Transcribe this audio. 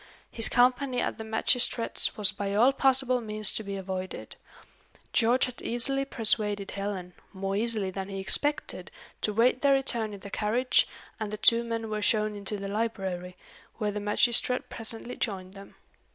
His company at the magistrate's was by all possible means to be avoided. George had easily persuaded Helen, more easily than he expected, to wait their return in the carriage, and the two men were shown into the library, where the magistrate presently joined them.